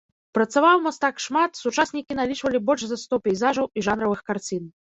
Працаваў мастак шмат, сучаснікі налічвалі больш за сто пейзажаў і жанравых карцін.